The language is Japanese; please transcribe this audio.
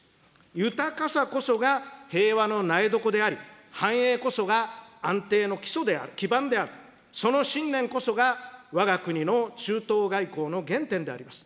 豊かさこそが平和の苗床であり、繁栄こそが安定の基礎である、基盤である、その信念こそが、わが国の中東外交の原点でもあります。